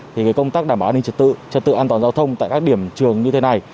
thì công tác đảm bảo an ninh trật tự trật tự an toàn giao thông tại các điểm trường như thế này